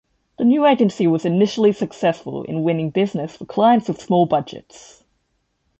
The new agency was initially successful in winning business for clients with small budgets.